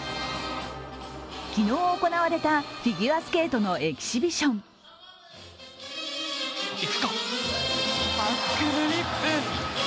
昨日行われたフィギュアスケートのエキシビション。